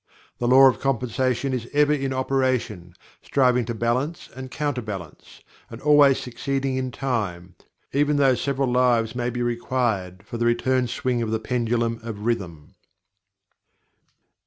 The Law of Compensation is ever in operation, striving to balance and counter balance, and always succeeding in time, even though several lives may be required for the return swing of the Pendulum of Rhythm.